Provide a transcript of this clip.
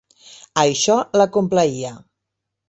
Això la complaïa.